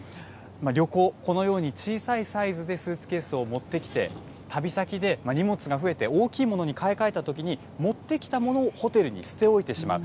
旅行、このように小さいサイズでスーツケースを持ってきて、旅先で荷物が増えて大きいものに買い替えたときに、持ってきたものをホテルに捨て置いてしまう。